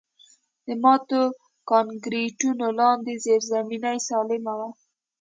د ماتو کانکریټونو لاندې زیرزمیني سالمه وه